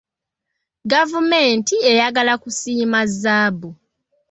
Gavumenti ayagala kusima zzaabu.